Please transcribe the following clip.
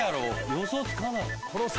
予想つかない。